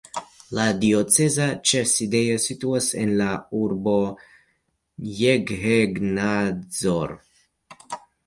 La dioceza ĉefsidejo situas en la urbo Jeghegnadzor.